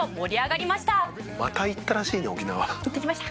行ってきました。